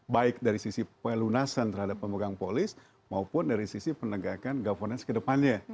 baik dari sisi pelunasan terhadap pemegang polis maupun dari sisi penegakan governance ke depannya